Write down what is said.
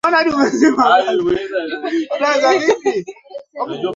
kuchelewa kwao ni kutokana na kukamilika kwa mwaka